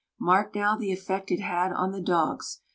Mark now the effect it had on the dogs.